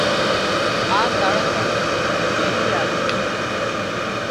آ تۯ پڻ ميلي آلوون سون